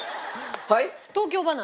はい？